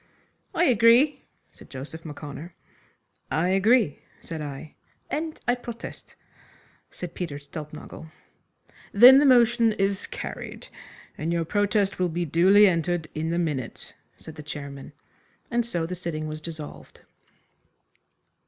"I agree," said Joseph M'Connor. "I agree," said I. "And I protest," said Peter Stulpnagel. "Then the motion is carried, and your protest will be duly entered in the minutes," said the chairman, and so the sitting was dissolved.